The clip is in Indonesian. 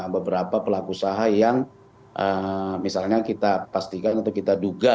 beberapa pelaku usaha yang misalnya kita pastikan atau kita duga